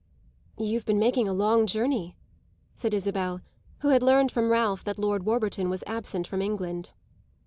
"You've been making a long journey," said Isabel, who had learned from Ralph that Lord Warburton was absent from England.